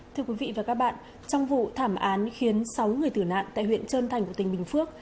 thưa quý vị và các bạn trong vụ thảm án khiến sáu người tử nạn tại huyện trơn thành của tỉnh bình phước